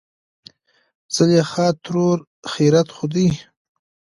زليخاترور : خېرت خو دى.